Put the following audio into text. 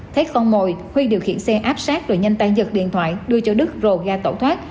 thấy con mồi huy điều khiển xe áp sát rồi nhanh tay giật điện thoại đưa cho đức rồ ga tẩu thoát